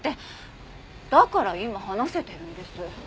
だから今話せてるんです。